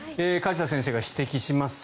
梶田先生が指摘します